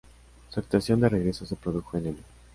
Su actuación de regreso se produjo en M!